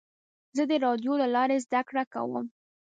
زه د راډیو له لارې زده کړه کوم.